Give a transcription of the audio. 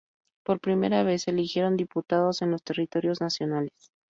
Por primera vez, se eligieron diputados en los Territorios Nacionales.